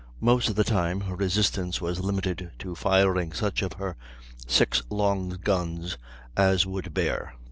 Most of the time her resistance was limited to firing such of her six long guns as would bear.